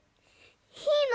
いいの？